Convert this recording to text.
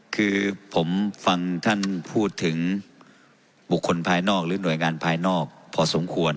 คือผมฟังท่านพูดถึงบุคคลภายนอกหรือหน่วยงานภายนอกพอสมควร